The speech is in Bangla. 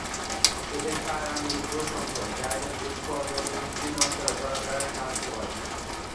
এদের পায়ের আঙ্গুল জোর সংখ্যক, যা এদের রুক্ষ অথবা মসৃণ অঞ্চলে চলাফেরায় সাহায্য করে।